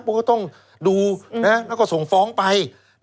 มันก็ต้องดูแล้วก็ส่งฟ้องไป